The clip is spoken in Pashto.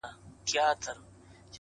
چي به ښكار د كوم يو سر خولې ته نژدې سو-